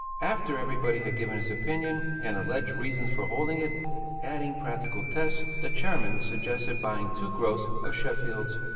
"After everybody had given his opinion and alleged reasons for holding it, adding practical tests, the chairman suggested buying two gross of Sheffields.